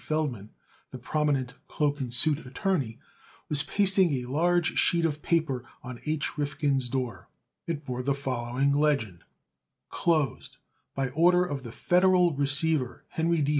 Feldman, the prominent cloak and suit attorney, was pasting a large sheet of paper on H. Rifkin's door. It bore the following legend: CLOSED BY ORDER OF THE FEDERAL RECEIVER HENRY D.